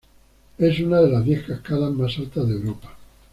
Es una de las diez cascadas más altas de Europa.